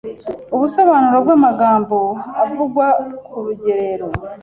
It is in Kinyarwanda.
Ubusobanuro bw’ amagambo avugwa kurugerero